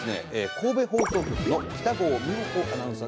神戸放送局の北郷三穂子アナウンサーです。